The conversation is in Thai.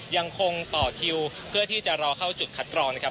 ยังคงต่อคิวเพื่อที่จะรอเข้าจุดขัดกรรม